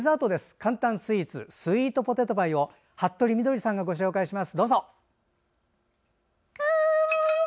簡単スイーツスイートポテトパイを服部みどりさんがご紹介します。